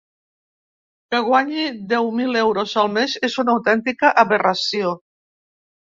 Que guanyi deu mil euros al mes és una autèntica aberració.